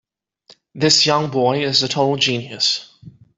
This young boy is a total genius.